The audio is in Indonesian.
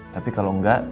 tapi kalau enggak